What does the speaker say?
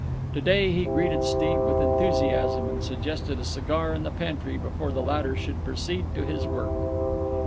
To day he greeted Steve with enthusiasm and suggested a cigar in the pantry before the latter should proceed to his work.